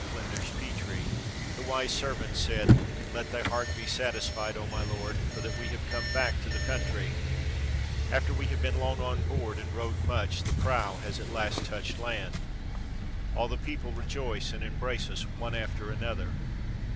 FLINDERS PETRIE The wise servant said, "Let thy heart be satisfied, 0 my lord, for that we have come back to the country; after we have been long on board, and rowed much, the prow has at last touched land. All the people rejoice and embrace us one after another.